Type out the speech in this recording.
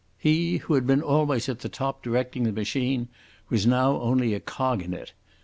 He, who had been always at the top directing the machine, was now only a cog in it.